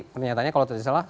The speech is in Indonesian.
ternyata kalau tidak salah